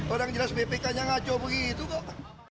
orang jelas bpk nya ngaco begitu kok